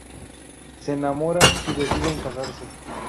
Se enamoran y deciden casarse.